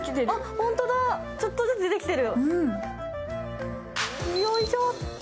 ホントだ、ちょっとずつ出てきてる。